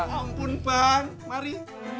maapun bang mari